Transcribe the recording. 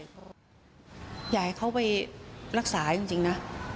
เขาอยากให้เขาไปรักษาจริงนะ